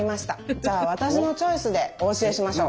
じゃあ私のチョイスでお教えしましょう。